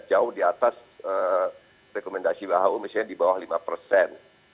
jauh di atas rekomendasi who misalnya di bawah lima persen